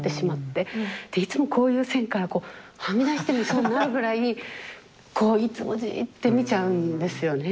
でいつもこういう線からこうはみ出して見そうになるぐらいこういつもジーッて見ちゃうんですよね。